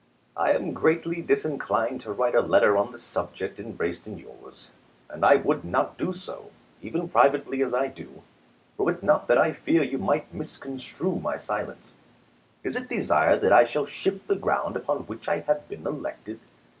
I am greatly disinclined to write a letter on the sub ject embraced in yours ; and I would not do so, even privately as I do, were it not that I fear you might mis construe my silence. Is it desired that I shall shift the ground upon which I have been elected?